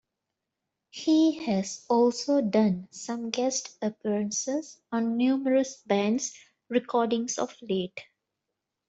He has also done some guest appearances on numerous bands' recordings of late.